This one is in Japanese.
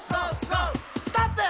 「ストップ！」